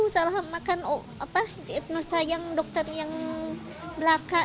salah makan diagnosa yang dokter yang belaka